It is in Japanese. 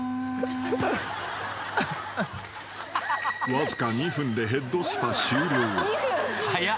［わずか２分でヘッドスパ終了］